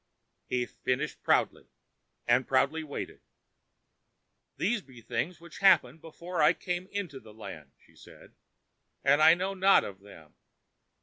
He finished proudly, and proudly waited. "These be things which happened before I came into the land," she said, "and I know not of them.